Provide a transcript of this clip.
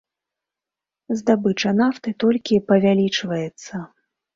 Здабыча нафты толькі павялічваецца.